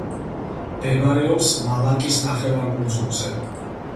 მდებარეობს მალაკის ნახევარკუნძულზე.